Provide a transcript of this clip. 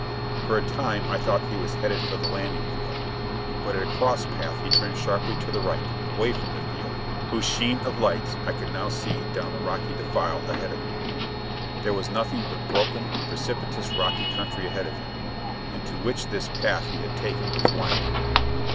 For a time I thought he was headed for the landing field, but at a cross path he turned sharply to the right, away from the field, whose sheen of lights I could now see down the rocky defile ahead of me. There was nothing but broken, precipitous rocky country ahead of him, into which this path he had taken was winding.